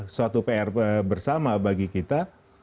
suatu pr bersama bagi kita